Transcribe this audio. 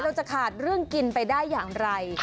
เราจะขาดเรื่องกินไปได้อย่างไร